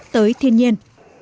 tới thiên nhiên